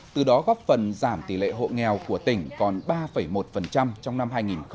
từ đó góp phần giảm tỷ lệ hộ nghèo của tỉnh còn ba một trong năm hai nghìn một mươi chín